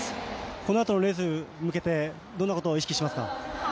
このあとのレースに向けてどんなことを意識しますか。